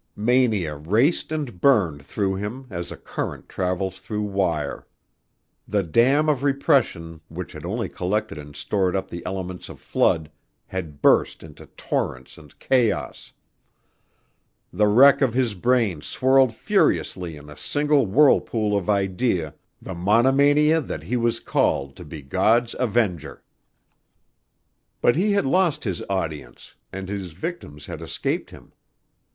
Mania raced and burned through him as a current travels through wire. The dam of repression which had only collected and stored up the elements of flood had burst into torrents and chaos. The wreck of his brain swirled furiously in a single whirlpool of idea, the monomania that he was called to be God's avenger. But he had lost his audience and his victims had escaped him.